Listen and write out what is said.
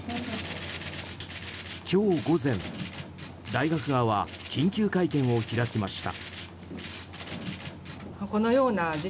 今日午前、大学側は緊急会見を開きました。